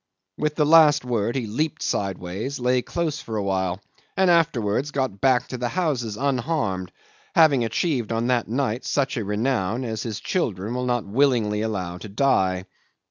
With the last word he leaped sideways, lay close for a while, and afterwards got back to the houses unharmed, having achieved on that night such a renown as his children will not willingly allow to die.